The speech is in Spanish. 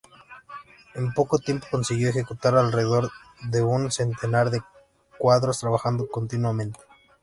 En poco tiempo consiguió ejecutar alrededor de un centenar de cuadros, trabajando continuamente.